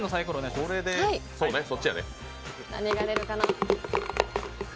何が出るかな？